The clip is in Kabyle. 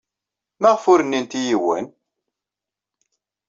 Maɣef ur nnint i yiwen?